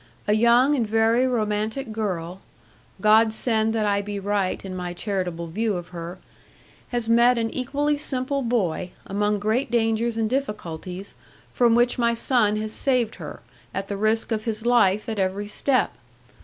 A young and very romantic girl God send that I be right in my charitable view of her has met an equally simple boy, among great dangers and difficulties, from which my son has saved her, at the risk of his life at every step.